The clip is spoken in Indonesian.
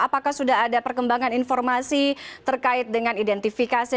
apakah sudah ada perkembangan informasi terkait dengan identifikasi